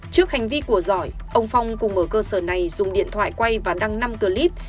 trước hành vi của giỏi ông phong cùng ở cơ sở này dùng điện thoại quay và đăng năm clip